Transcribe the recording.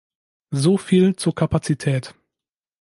So viel zur Kapazität.